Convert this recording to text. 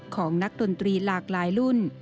ของนักดนตรีหลากหลายรุ่น